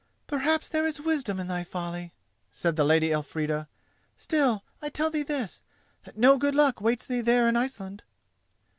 "Perhaps there is wisdom in thy folly," said the Lady Elfrida. "Still, I tell thee this: that no good luck waits thee there in Iceland."